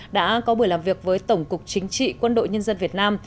đã có buổi làm việc với tổng cục chính trị quân đội nhân dân việt nam